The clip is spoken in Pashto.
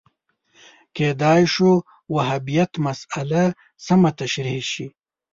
کېدای شو وهابیت مسأله سمه تشریح شي